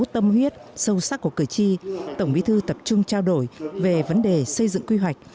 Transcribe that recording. tâm huyết sâu sắc của cử tri tổng bí thư tập trung trao đổi về vấn đề xây dựng quy hoạch